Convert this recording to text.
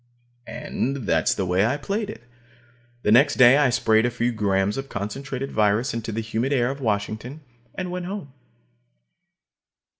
And that's the way I played it. The next day I sprayed a few grams of concentrated virus into the humid air of Washington, and went home.